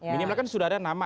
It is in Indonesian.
minimal kan sudah ada nama